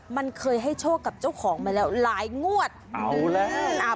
มันเคยให้โชคกับเจ้าของมาแล้วหลายงวดดูแล้วอ่า